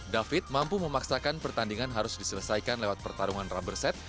david mampu memaksakan pertandingan harus diselesaikan lewat pertarungan rubber set